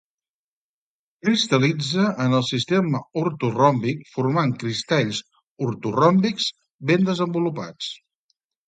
Cristal·litza en el sistema ortoròmbic formant cristalls ortoròmbics ben desenvolupats.